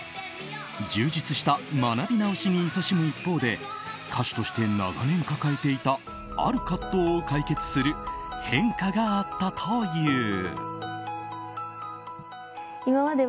充実した学び直しにいそしむ一方で歌手として長年抱えていたある葛藤を解決する変化があったという。